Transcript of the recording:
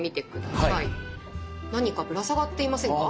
何かぶら下がっていませんか？